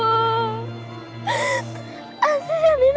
asri dan nina kangen sama ibu